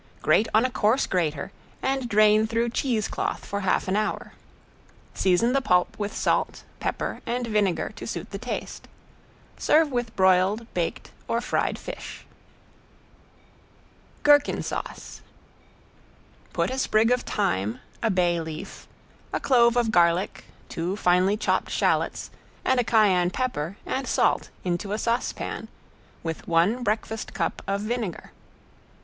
Grate on a coarse grater and drain through cheese cloth for half an hour. Season the pulp with salt, pepper and vinegar to suit the taste. Serve with broiled, baked or fried fish. ~GHERKIN SAUCE~ Put a sprig of thyme, a bay leaf, a clove of garlic, two finely chopped shallots, and a cayenne pepper, and salt into a saucepan, with one breakfast cup of vinegar.